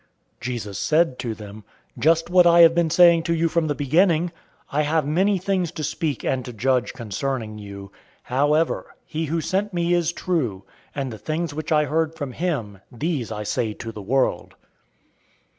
Jesus said to them, "Just what I have been saying to you from the beginning. 008:026 I have many things to speak and to judge concerning you. However he who sent me is true; and the things which I heard from him, these I say to the world."